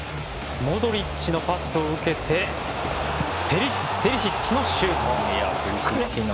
モドリッチのパスを受けてペリシッチのシュート。